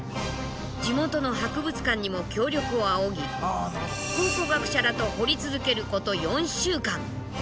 地元の博物館にも協力を仰ぎ考古学者らと掘り続けること４週間。